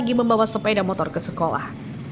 lagi membawa sepeda motor ke sekolah